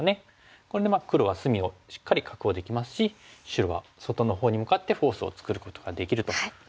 これで黒は隅をしっかり確保できますし白は外のほうに向かってフォースを作ることができるということなんですよね。